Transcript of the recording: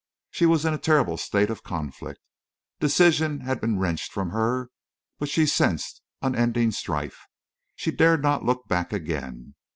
She was in a terrible state of conflict. Decision had been wrenched from her, but she sensed unending strife. She dared not look back again.